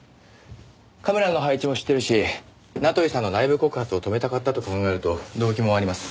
カメラの配置も知ってるし名取さんの内部告発を止めたかったと考えると動機もあります。